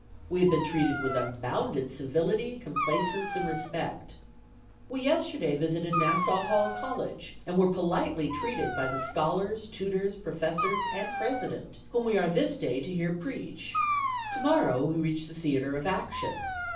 We have been treated with unbounded civility, complaisance, and respect. We yesterday visited Nassau Hall College, and were politely treated by the scholars, tutors, professors, and president, whom we are this day to hear preach. Tomorrow we reach the theatre of action.